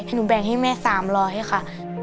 หนูแบ่งให้แม่๓๐๐ค่ะ